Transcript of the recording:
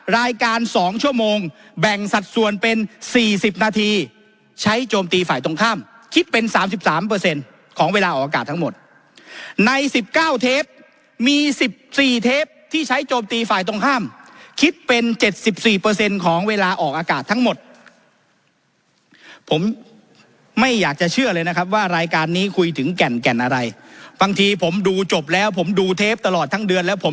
รายการ๒ชั่วโมงแบ่งสัดส่วนเป็น๔๐นาทีใช้โจมตีฝ่ายตรงข้ามคิดเป็น๓๓ของเวลาออกอากาศทั้งหมดใน๑๙เทปมี๑๔เทปที่ใช้โจมตีฝ่ายตรงข้ามคิดเป็น๗๔ของเวลาออกอากาศทั้งหมดผมไม่อยากจะเชื่อเลยนะครับว่ารายการนี้คุยถึงแก่นแก่นอะไรบางทีผมดูจบแล้วผมดูเทปตลอดทั้งเดือนแล้วผม